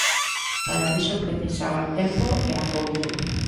Para iso precisaba tempo e acougo.